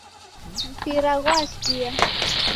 Mpira ghwasia